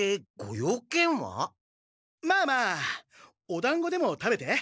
まあまあおだんごでも食べて。